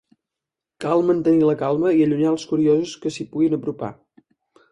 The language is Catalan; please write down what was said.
Cal mantenir la calma i allunyar els curiosos que s'hi puguin apropar.